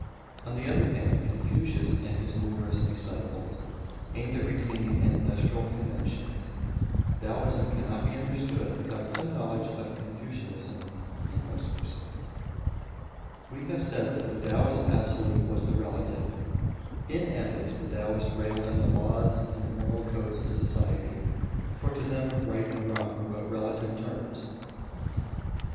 On the other hand, Confucius with his numerous disciples aimed at retaining ancestral conventions. Taoism cannot be understood without some knowledge of Confucianism and vice versa. We have said that the Taoist Absolute was the Relative. In ethics the Taoist railed at the laws and the moral codes of society, for to them right and wrong were but relative terms.